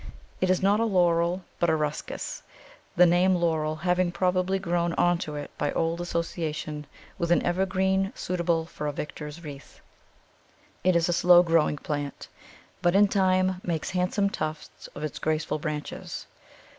It is not a laurel, but a Ruscus, the name laurel having probably grown on to it by old association with any evergreen suitable for a victor's wreath. It is a slow growing plant, but in time makes handsome tufts of its graceful branches.